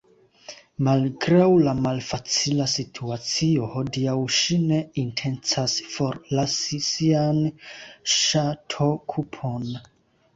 Malgraŭ la malfacila situacio hodiaŭ ŝi ne intencas forlasi sian ŝatokupon.